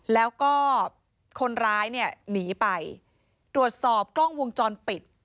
แล้วก็คนร้ายหนีไปดวชสอบกล้องวงจรปิด